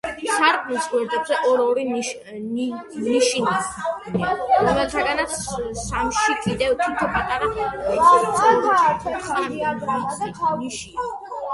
სარკმლის გვერდებზე ორ-ორი ნიშია, რომელთაგან სამში კიდევ თითო პატარა სწორკუთხა ნიშია.